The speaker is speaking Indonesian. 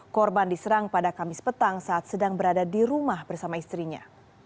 korban diserang pada kamis petang saat sedang berada di rumah bersama istrinya